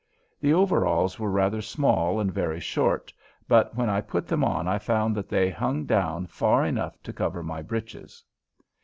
The overalls were rather small and very short, but when I put them on I found that they hung down far enough to cover my breeches.